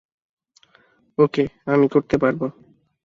ওকে, আমি করতে পারব।